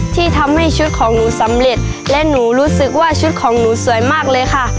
ที่ทำให้ชุดของหนูสำเร็จและหนูรู้สึกว่าชุดของหนูสวยมากเลยค่ะ